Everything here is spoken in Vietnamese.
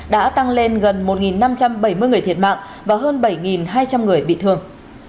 đã tăng lên gần một năm trăm bảy mươi người thiệt mạng và hơn bảy hai trăm linh người bị thương